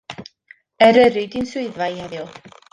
Eryri 'di'n swyddfa i heddiw.